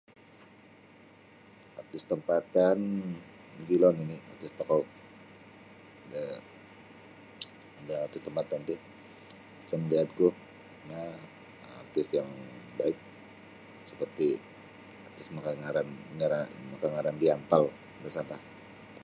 Artis tempatan mogilo nini artis tokou da artis tempatan ti macam gayadku [unintelligible] um artis yang baik saparti artis maka ngaran ngaran-maka ngaran di ampal.